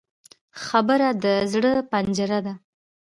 خبره د زړه پنجره ده